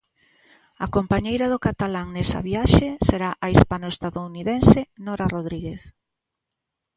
A compañeira do catalán nesa viaxe será a hispano estadounidense Nora Rodríguez.